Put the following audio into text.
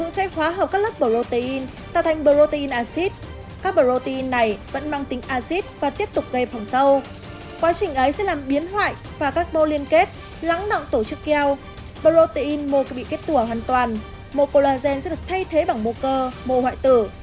mô collagen sẽ được thay thế bằng mô cơ mô hoại tử